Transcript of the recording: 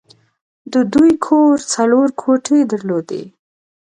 د دوی کور څلور کوټې درلودې